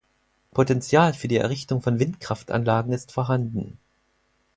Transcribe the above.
Potenzial für die Errichtung von Windkraftanlagen ist vorhanden.